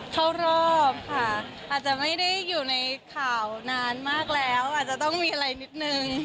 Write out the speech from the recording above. ถั่วคุณแฟนเค้าก็เช็งพัดขึ้นหนึ่ง